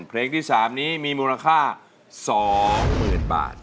เพลงที่๓นี้มีมูลค่า๒๐๐๐๐บาท